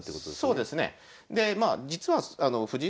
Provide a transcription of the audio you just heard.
そうですね。